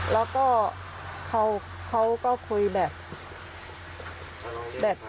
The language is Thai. แล้วก็เขาก็คุยแบบ